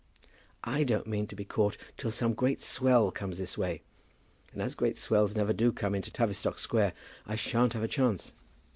"I don't mean to be caught till some great swell comes this way. And as great swells never do come into Tavistock Square I shan't have a chance.